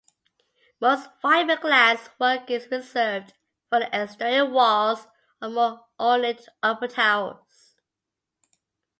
Most fiberglass work is reserved for the exterior walls of more ornate upper towers.